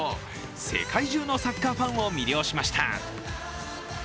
世界中のサッカーファンを魅了しました。